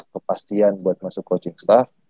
kepastian buat masuk coaching staff